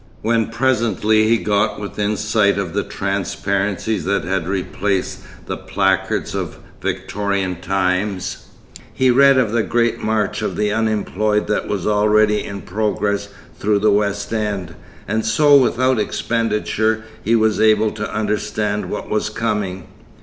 When presently he got within sight of the transparencies that had replaced the placards of Victorian times, he read of the Great March of the Unemployed that was already in progress through the West End, and so without expenditure he was able to understand what was coming.